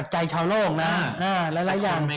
ใช่มั้ยฮะ